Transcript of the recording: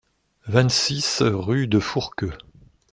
vingt-six rue de Fourqueux